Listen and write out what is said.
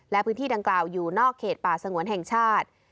และพื้นที่ดังกล่าวอยู่นอกเขตป่าสงวนแห่งชาติ